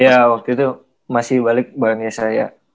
iya waktu itu masih balik bareng yesaya